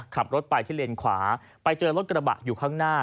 ขับรถไปที่เลนขวาไปเจอรถกระบะอยู่ข้างหน้า